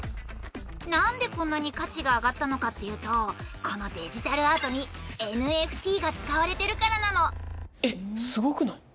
何でこんなに価値が上がったのかっていうとこのデジタルアートにＮＦＴが使われてるからなの！